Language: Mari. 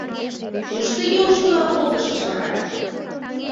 Куш тыге ошкылал колтышыч вара?